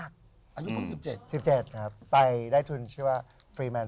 ก็เป็นไปล้างจ้าน